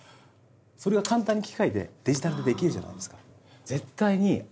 それが簡単に機械でデジタルでできるじゃないですか。